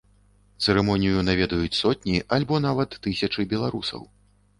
Цырымонію наведаюць сотні альбо нават тысячы беларусаў.